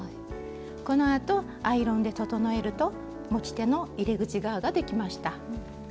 このあとアイロンで整えると持ち手の入れ口側ができました。